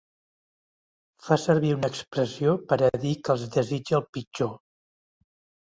Fa servir una expressió per a dir que els desitja el pitjor.